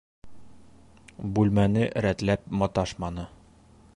Бүлмәне рәтләп маташманы.